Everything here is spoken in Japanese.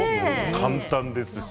簡単ですし。